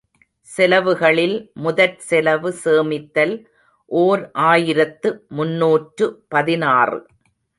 செலவுகளில் முதற் செலவு சேமித்தல் ஓர் ஆயிரத்து முன்னூற்று பதினாறு.